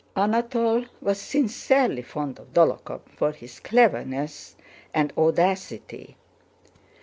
Anatole was sincerely fond of Dólokhov for his cleverness and audacity.